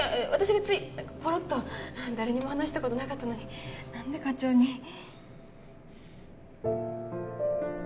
私がついぽろっと誰にも話したことなかったのに何で課長に。